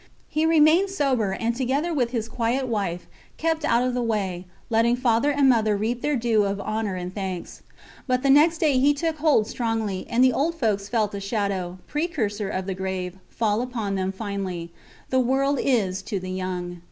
He remained sober, and, together with his quiet wife, kept out of the way, letting father and mother reap their due of honour and thanks. But the next day he took hold strongly, and the old folks felt a shadow precursor of the grave fall upon them finally. The world is to the young.